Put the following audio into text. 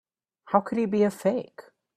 How could he be a fake?